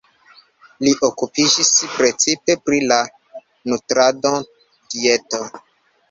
Li okupiĝis precipe pri la nutrado-dieto.